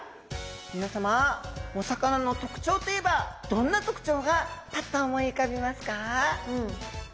みなさまお魚の特徴といえばどんな特徴がパッと思い浮かびますか？